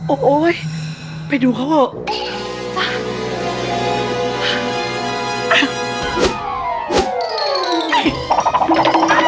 โอ้ยไปดูเขา